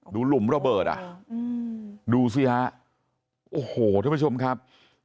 หลุมระเบิดอ่ะดูสิฮะโอ้โหทุกผู้ชมครับ